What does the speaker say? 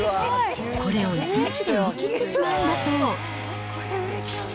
これを１日で売り切ってしまうんだそう。